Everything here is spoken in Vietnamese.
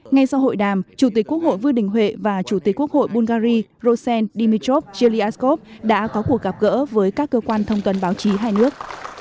ngay sau hội đàm chủ tịch quốc hội vương đình huệ và chủ tịch quốc hội bulgari rosen dimitrov zelenskov đã có cuộc gặp gỡ với các cơ quan thông tuần báo chí hai nước